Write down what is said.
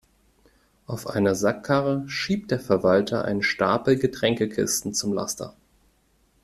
Auf einer Sackkarre schiebt der Verwalter einen Stapel Getränkekisten zum Laster.